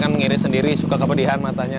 mengiris sendiri suka kepedihan matanya